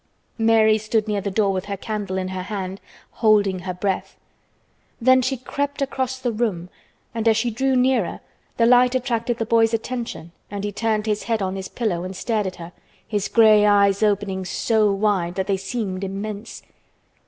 Mary stood near the door with her candle in her hand, holding her breath. Then she crept across the room, and, as she drew nearer, the light attracted the boy's attention and he turned his head on his pillow and stared at her, his gray eyes opening so wide that they seemed immense.